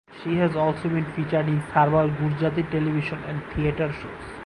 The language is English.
She has also been featured in several Gujarati television and theatre shows.